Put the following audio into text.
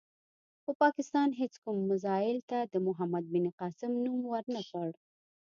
خو پاکستان هېڅ کوم میزایل ته د محمد بن قاسم نوم ور نه کړ.